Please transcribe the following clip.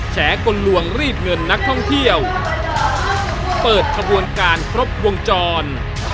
แฉกลลวงรีดเงินนักท่องเที่ยวเปิดขบวนการครบวงจร